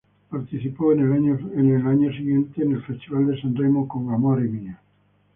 Participó al año siguiente, en el Festival de San Remo con "Amore mio".